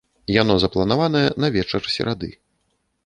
Яно запланаванае на вечар серады.